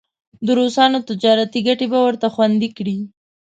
د روسانو تجارتي ګټې به ورته خوندي کړي.